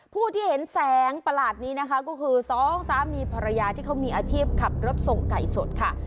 ผู้ที่เห็นแสงประหลาดนี้นะคะก็คือสองสามีภรรยาที่เขามีอาชีพขับรถส่งไก่สดค่ะ